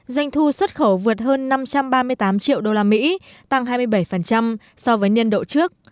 doanh thu xuất khẩu vượt hơn năm trăm ba mươi tám triệu usd tăng hai mươi bảy so với niên độ trước